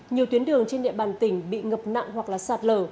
nhiều tuyến đường trên địa bàn tỉnh bị ngập nặng hoặc sạt lở